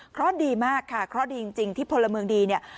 เพราะดีมากค่ะเคราะห์ดีจริงที่พลเมืองดีเนี่ย